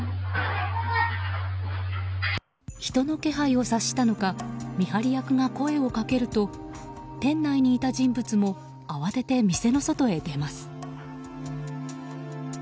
人の気配を察したのか見張り役が声をかけると店内にいた人物も慌てて店の外へ出ます。